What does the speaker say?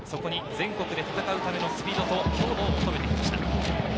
そこに全国で戦うためのスピードと強度を求めてきました。